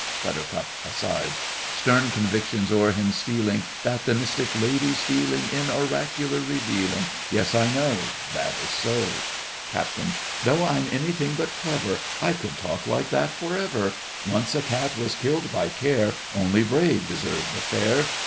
BUT. (aside).Stern conviction's o'er him stealing, That the mystic lady's dealing In oracular revealing. Yes, I know— That is so! CAPT. Though I'm anything but clever, I could talk like that for ever: Once a cat was killed by care; Only brave deserve the fair.